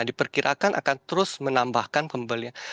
diperkirakan akan terus menambahkan pembelian